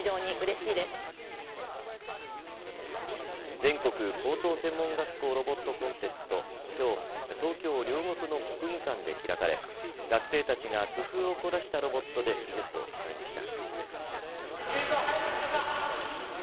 全国高等専門学校ロボットコンテスト、きょう東京両国の国技館で開かれ学生たちが工夫を凝らしたロボットで技術を競いました。